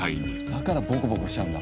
だからボコボコしちゃうんだ。